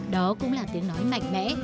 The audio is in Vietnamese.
đó cũng là tiếng nói mạnh mẽ